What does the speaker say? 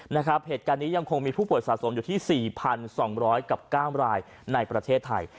เหตุการณ์นี้ยังคงมีผู้ป่วยสะสมอยู่ที่๔๒๐๐กับ๙รายในประเทศไทย